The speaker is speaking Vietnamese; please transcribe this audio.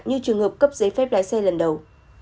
như trường hợp cấp giấy phép lái xe lần đầu